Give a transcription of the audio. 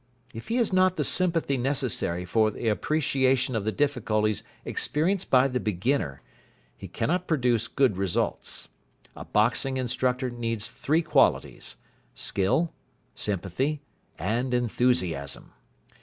If he has not the sympathy necessary for the appreciation of the difficulties experienced by the beginner, he cannot produce good results. A boxing instructor needs three qualities skill, sympathy, and enthusiasm.